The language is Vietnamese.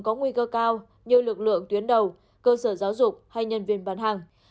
có nguy cơ cao như lực lượng tuyến đầu cơ sở giáo dục hay nhân viên bán hàng